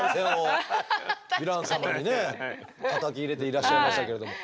ヴィラン様にねたたき入れていらっしゃいましたけれども。